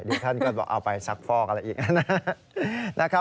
ดีท่านก็บอกเอาไปซักฟอกอะไรอีกนะ